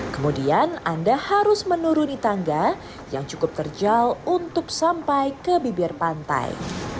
kemudian anda harus menuruni tangga yang cukup terjal untuk sampai ke bibir pantai